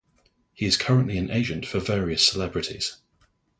He is currently an agent for various celebrities.